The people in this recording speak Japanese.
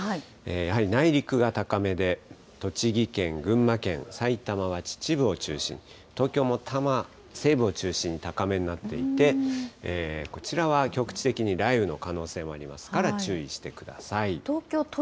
やはり内陸が高めで、栃木県、群馬県、埼玉は秩父を中心、東京も多摩西部を中心に高めになっていて、こちらは局地的に雷雨の可能性もありますから、注意してください。